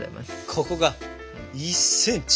ここが１ｃｍ。